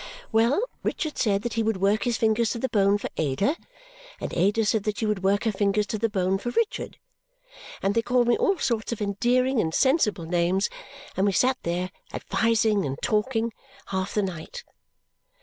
Well! Richard said that he would work his fingers to the bone for Ada, and Ada said that she would work her fingers to the bone for Richard, and they called me all sorts of endearing and sensible names, and we sat there, advising and talking, half the night.